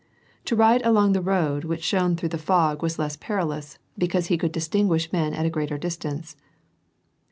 To ride along the road which shone through the fog was less perilous, because he could distinguish men at a greater distance.